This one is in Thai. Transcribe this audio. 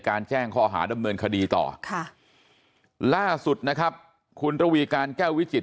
แจ้งข้อหาดำเนินคดีต่อค่ะล่าสุดนะครับคุณระวีการแก้ววิจิต